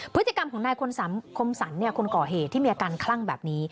พฤติกรรมของนายคมสรรคนก่อเหตุที่มีอาการคลั่งแบบนี้